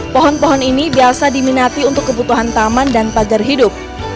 pohon pohon ini biasa diminati untuk kebutuhan taman dan pagar hidup